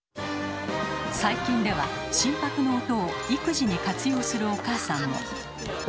最近では心拍の音を育児に活用するお母さんも。